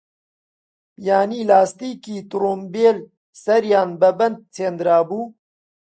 یانی لاستیکی ترومبیل سەریان بە بەند چندرابوو